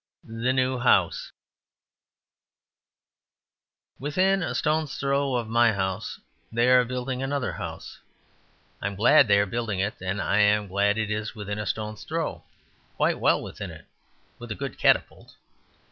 The New House Within a stone's throw of my house they are building another house. I am glad they are building it, and I am glad it is within a stone's throw; quite well within it, with a good catapult.